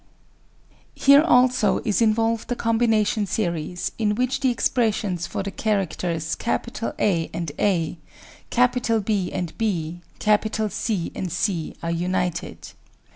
Here also is involved a combination series in which the expres sions for the characters A and a, B and b, C and c, are united.